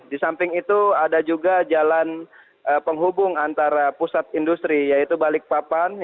di samping itu ada juga jalan penghubung antara pusat industri yaitu balikpapan